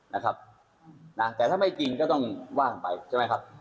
นะครับนะแต่ถ้าไม่จริงก็ต้องว่างไปใช่ไหมครับ